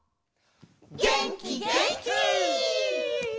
げんきげんき！